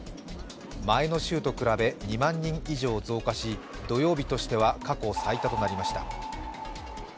前の週と比べ２万人以上増加し、土曜日としては過去最多となりました。